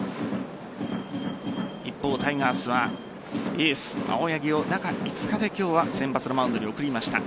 一方、タイガースはエース・青柳を中５日で今日先発のマウンドに送りました。